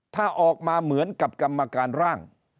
ถ้าออกมาเหมือนกับกรรมการร่าง